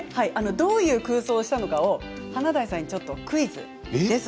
どういう空想をしたのか華大さんにクイズです。